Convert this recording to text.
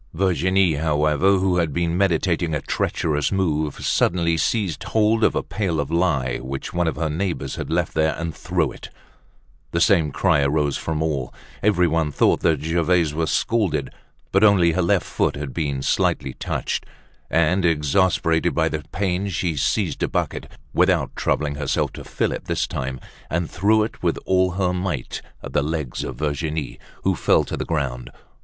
Virginie, however, who had been meditating a treacherous move, suddenly seized hold of a pail of lye, which one of her neighbors had left there and threw it. The same cry arose from all. Everyone thought Gervaise was scalded; but only her left foot had been slightly touched. And, exasperated by the pain, she seized a bucket, without troubling herself to fill it this time, and threw it with all her might at the legs of Virginie, who fell to the ground.